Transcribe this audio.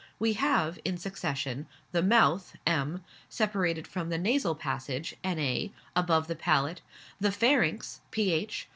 We have, in succession, the mouth (M.), separated from the nasal passage (Na.) above the palate; the pharynx (ph.)